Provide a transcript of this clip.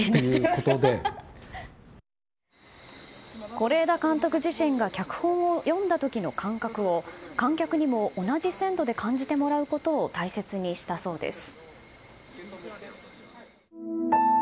是枝監督自身が脚本を読んだ時の感覚を観客にも同じ鮮度で感じてもらうことを大切にしたそうです。